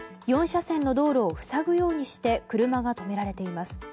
４車線の道路を塞ぐようにして車が止められています。